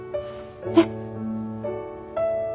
えっ！？